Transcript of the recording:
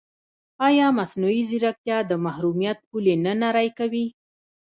ایا مصنوعي ځیرکتیا د محرمیت پولې نه نری کوي؟